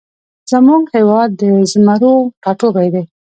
زمونږ هیواد د زمرو ټاټوبی دی